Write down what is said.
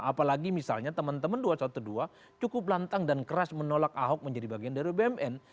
apalagi misalnya teman teman dua ratus dua belas cukup lantang dan keras menolak ahok menjadi bagian dari bumn